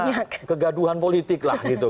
ya kegaduhan politik lah gitu kan